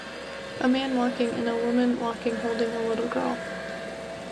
A man walking and a woman walking holding a little girl.